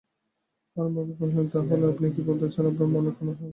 হারানবাবু কহিলেন, তা হলে আপনি কি বলতে চান আপনার মনে কোনো আশঙ্কা নেই?